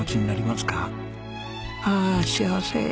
ああ幸せ。